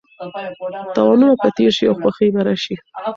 تاوانونه به تېر شي او خوښي به راشي.